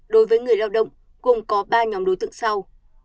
đối với người lao động cùng có ba nhóm đối tượng sau